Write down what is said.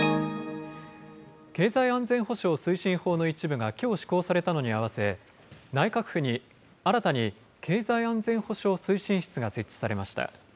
経済安全保障推進法の一部がきょう施行されたのにあわせ、内閣府に新たに経済安全保障推進室が設置されました。